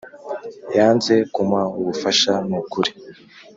yanze kumuha ubufasha nukuri